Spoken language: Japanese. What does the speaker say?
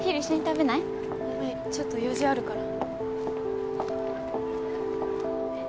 ごめんちょっと用事あるから。